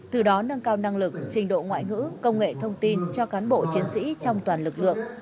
từ đó nâng cao năng lực trình độ ngoại ngữ công nghệ thông tin cho cán bộ chiến sĩ trong toàn lực lượng